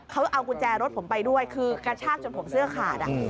เขาเอากุญแจรถผมไปด้วยคือกระชากจนผมเสื้อขาด